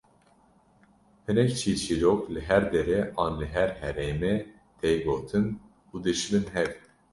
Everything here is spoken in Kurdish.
Hinek çîrçîrok li her derê an li her heremê tê gotin û dişibin hev